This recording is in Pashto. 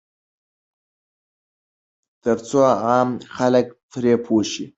ترڅو عام خلک پرې پوه شي.